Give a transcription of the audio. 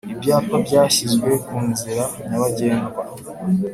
Ibyapa byashyizwe ku nzira nyabagendwa